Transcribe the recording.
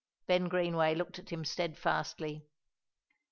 Ben Greenway looked at him steadfastly.